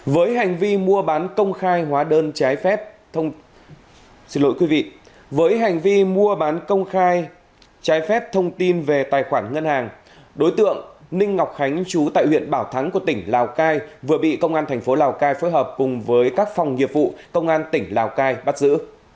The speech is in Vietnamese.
với hành vi mua bán công khai trái phép thông tin về tài khoản ngân hàng đối tượng ninh ngọc khánh chú tại huyện bảo thắng của tỉnh lào cai vừa bị công an thành phố lào cai phối hợp cùng với các phòng nghiệp vụ công an tỉnh lào cai bắt giữ